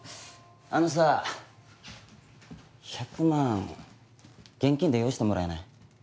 あのさ１００万現金で用意してもらえない？